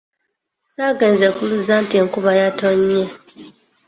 Saagenze ku luzzi anti enkuba yatonnye.